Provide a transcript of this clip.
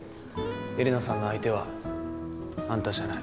エレナさんの相手はあんたじゃない。